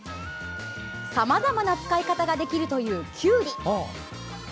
さまざまな使い方ができるという、きゅうり。